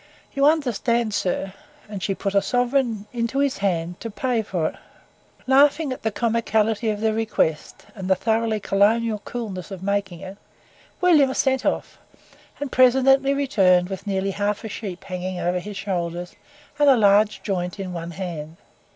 You understand, Sir," and she put sovereign into his hand to pay for it. Laughing at the comicality of the request, and the thoroughly colonial coolness of making it, William set off, and presently returned with nearly half a sheep hanging over his shoulders, and a large joint in one hand.